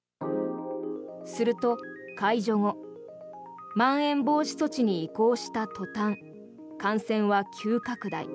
すると、解除後まん延防止措置に移行した途端感染は急拡大。